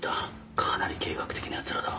かなり計画的なやつらだ。